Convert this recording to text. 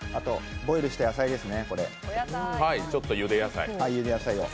ボイルした野菜ですね。